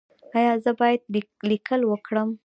ایا زه باید لیکل وکړم؟